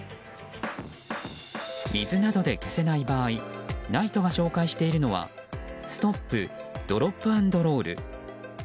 水などで消せない場合ＮＩＴＥが紹介しているのはストップ、ドロップ＆ロール。